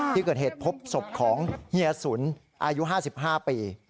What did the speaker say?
ที่เกิดเหตุพบศพของเฮียสุนอายุ๕๕ปี